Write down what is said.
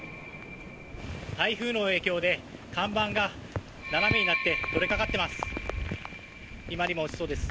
台風の影響で看板が斜めになって取れかかっています。